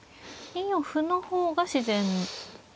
２四歩の方が自然ですか。